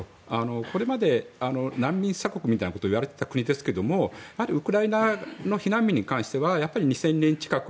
これまで難民鎖国みたいにいわれていた国ですがウクライナの避難民に関しては２０００人近くを